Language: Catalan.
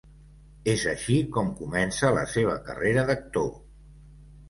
És així com comença la seva carrera d'actor.